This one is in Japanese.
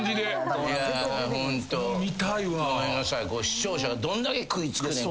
視聴者がどんだけ食いつくねん